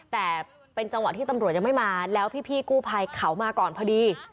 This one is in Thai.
แต่เป็นจังหวะที่ตำรวจยังไม่มาแล้วพี่กู้ภัยเขามาก่อนพอดี